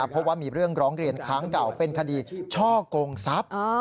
เพราะว่ามีเรื่องร้องเรียนค้างเก่าเป็นคดีช่อกงทรัพย์